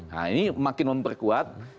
nah ini makin memperkuat